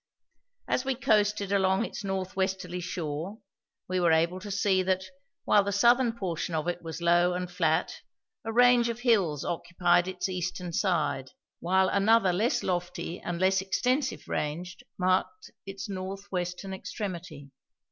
As we coasted along its north westerly shore we were able to see that, while the southern portion of it was low and flat, a range of hills occupied its eastern side, while another less lofty and less extensive range marked its north western extremity.